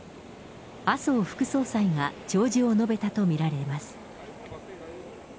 麻生副総裁が弔辞を述べたと見られます。